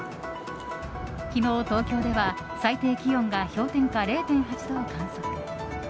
昨日、東京では最低気温が氷点下０．８度を観測。